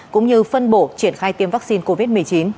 cũng như phân bổ triển khai tiêm vaccine covid một mươi chín